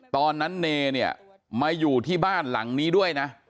ตอนนั้นเนเนี่ยมาอยู่ที่บ้านหลังนี้ด้วยนะ